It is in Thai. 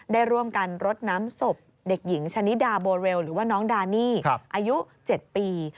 ได้ร่วมกันรดน้ำศพเด็กหญิงชะนิดาโบเรลหรือว่าน้องดานี่อายุ๗ปี